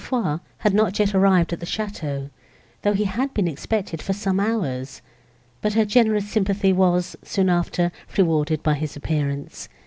Foix was not yet arrived at the château, though he had been expected for some hours; but her generous sympathy was, soon after, rewarded by his appearance.